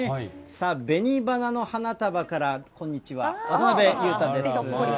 べに花の花束からこんにちは、渡辺裕太です。